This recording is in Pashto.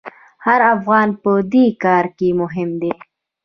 هر افغان په دې کار کې مهم دی.